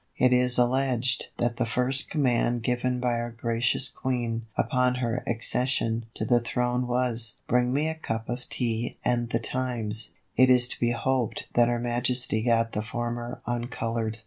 It is alleged that the first command given by our gracious Queen upon her accession to the Throne was "Bring me a cup of Tea and The Times." It is to be hoped that Her Majesty got the former uncoloured.